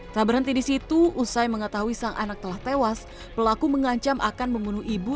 tak berhenti di situ usai mengetahui sang anak telah tewas pelaku mengancam akan membunuh ibu